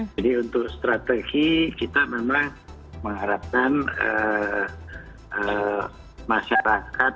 jadi untuk strategi kita memang mengharapkan masyarakat